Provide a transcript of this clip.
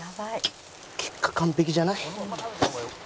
結果完璧じゃない？